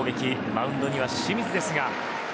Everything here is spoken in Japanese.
マウンドには清水です。